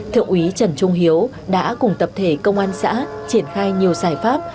thượng úy trần trung hiếu đã cùng tập thể công an xã triển khai nhiều giải pháp